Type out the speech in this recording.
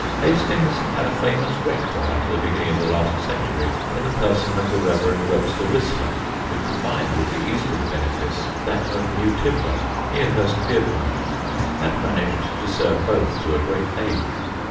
[Sidenote: THE CHURCH MILITANT] Hastings had a famous rector at the beginning of the last century, in the person of the Rev. Webster Whistler, who combined with the eastern benefice that of Newtimber, near Hurstpierpoint, and managed to serve both to a great age.